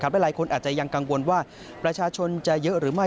หลายคนอาจจะยังกังวลว่าประชาชนจะเยอะหรือไม่